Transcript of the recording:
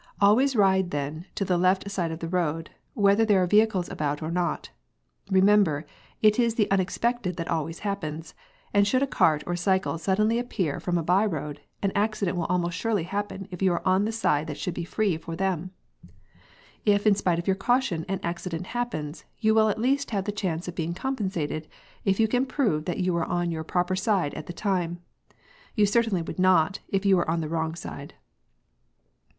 Always ride then to the left side of the road, whether there are vehicles about or not. Remember, it is the unexpected that always happens, and should a cart or cycle suddenly appear from a bye road, an accident will almost surely happen if you are on the side that should be free for them. If in spite of your caution an accident happens, you will at least have the chance of being compensated if you can prove that you were on your proper side at the time; you certainly would not, if you were on the wrong side.